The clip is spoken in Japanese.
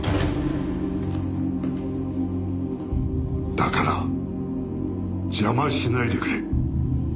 だから邪魔しないでくれ。